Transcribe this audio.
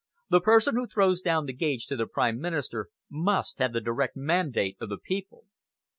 The person who throws down the gage to the Prime Minister must have the direct mandate of the people."